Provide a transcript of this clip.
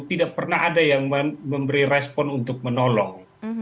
tidak pernah ada yang memberi respon untuk menolong